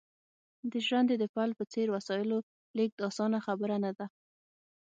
د ژرندې د پل په څېر وسایلو لېږد اسانه خبره نه ده